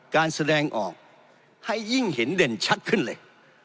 การแสดงออกให้ยิ่งเห็นเด่นชัดขึ้นเลย